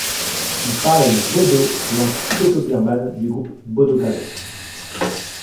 Ils parlent le bodo, langue tibéto-birmane du groupe Bodo-Garo.